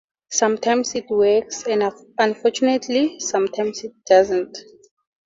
Sometimes it works, and unfortunately, sometimes it doesn't.